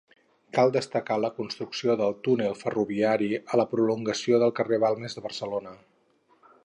Cal destacar la construcció del túnel ferroviari a la prolongació del carrer Balmes de Barcelona.